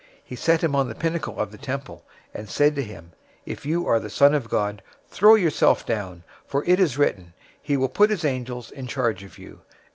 He set him on the pinnacle of the temple, 004:006 and said to him, "If you are the Son of God, throw yourself down, for it is written, 'He will give his angels charge concerning you.'